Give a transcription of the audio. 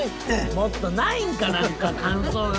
もっとないんか何か感想が。